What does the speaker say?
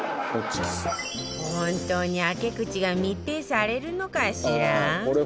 本当に開け口が密閉されるのかしら？